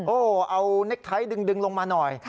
โอ้โหเอาเน็กไททดึงลงมาหน่อย